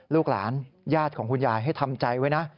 ลูกหลานญาติของคุณยายให้ทำใจไว้นะ